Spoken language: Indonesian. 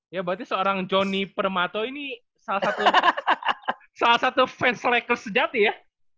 ya berarti seorang johnny permato ini salah satu fans like list sejati ya